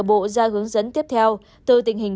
bộ ra hướng dẫn tiếp theo từ tình hình